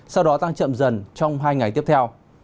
sau đó tăng chậm dần trong hai ngày tiếp theo